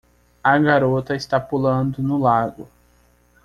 A garota está pulando no lago.